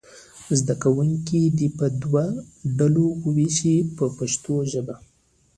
زده کوونکي دې په دوو ډلو وویشئ په پښتو ژبه.